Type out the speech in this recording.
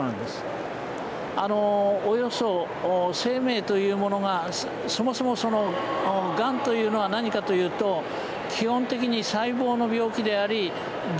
およそ生命というものがそもそもがんというのは何かというと基本的に細胞の病気でありＤＮＡの病気だということです。